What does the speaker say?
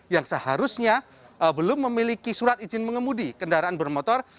yang seharusnya belum memiliki surat izin mengemudi kendaraan bermotor